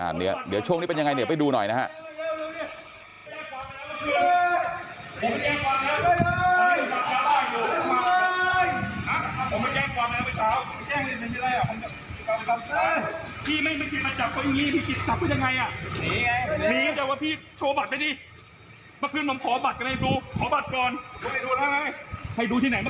เดี๋ยวช่วงนี้เป็นยังไงเดี๋ยวไปดูหน่อยนะฮะ